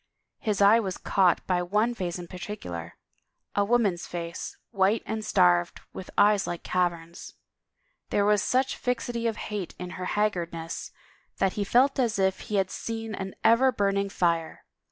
His eye was caught by one face in particular — a woman's face, white and starved, with eyes like caverns. There was such fixity of hate in her haggardness that he felt as if he had seen an ever burn ing fire.